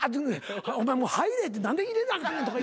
お前もう入れ何で入れなあかんねんとか。